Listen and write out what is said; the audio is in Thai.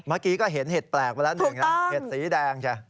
เมื่อกี้ก็เห็นเหตุแปลกมาแล้วหนึ่งนะเหตุสีแดงจ้ะถูกต้อง